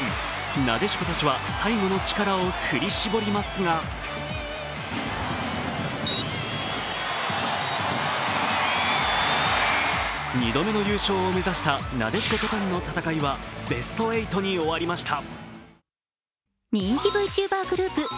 なでしこたちは、最後の力を振り絞りますが２度目の優勝を目指した、なでしこジャパンの戦いはベスト８に終わりました。